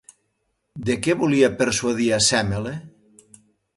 De què volia persuadir a Sèmele?